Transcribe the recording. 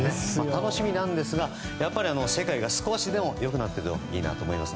楽しみなんですが世界が少しでも良くなっていくといいなと思います。